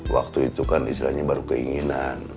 waktu itu kan istilahnya baru keinginan